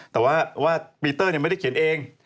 แต่ว่าปีเตอร์ไม่ได้เขียนเอง